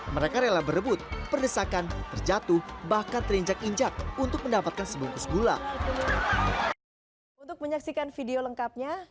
mereka rela berebut perdesakan terjatuh bahkan terinjak injak untuk mendapatkan sebungkus gula